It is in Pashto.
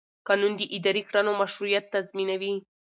قانون د اداري کړنو مشروعیت تضمینوي.